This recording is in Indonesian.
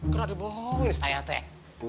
kenapa dibohongin setaya teh